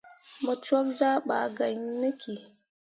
Mo cwakke zah ɓaa gah ne ki.